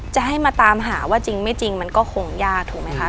จะให้มาตามหาว่าจริงไม่จริงมันก็คงยากถูกไหมคะ